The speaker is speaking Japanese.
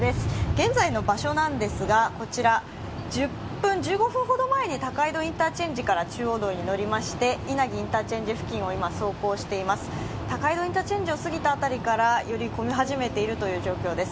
現在の場所なんですが、１５分ほど前に高井戸インターチェンジから中央道に乗りまして稲城辺りから今、走行しています、高井戸インターチェンジを越えた辺りから、より混み始めているという状況です。